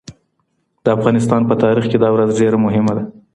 د افغانستان په تاریخ کې دا ورځ ډېره مهمه ده.